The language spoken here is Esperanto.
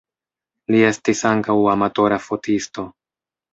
Li estis ankaŭ amatora fotisto.